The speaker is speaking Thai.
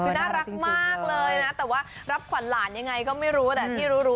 หรือรับขวัญหลานยังไงก็ไม่รู้